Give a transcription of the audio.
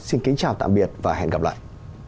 xin kính chào tạm biệt và hẹn gặp lại